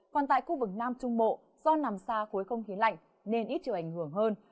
còn tại khu vực nam trung bộ do nằm xa khối không khí lạnh nên ít chịu ảnh hưởng hơn